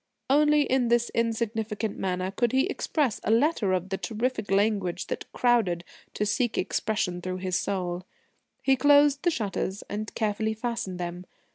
Only in this insignificant manner could he express a letter of the terrific language that crowded to seek expression through his soul.... He closed the shutters and carefully fastened them.